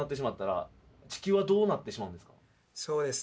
そうですね